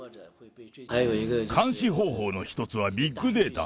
監視方法の一つはビッグデータ。